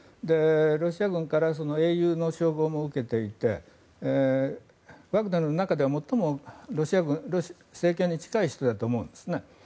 ロシア軍から英雄の称号も受けていてワグネルの中では最も政権に近い人だと思うんですね。